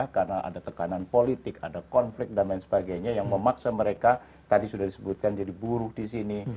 karena ada tekanan politik ada konflik dan lain sebagainya yang memaksa mereka tadi sudah disebutkan jadi buruh di sini